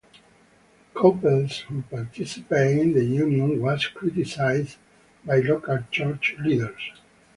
Couples who participated in the union were criticized by local church leaders.